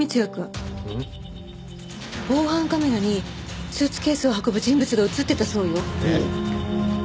防犯カメラにスーツケースを運ぶ人物が映ってたそうよ。